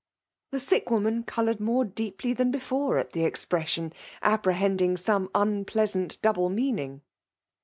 *' The sick woman coloured more deeply than before at the expression, apprehending some unpleasant double meaning.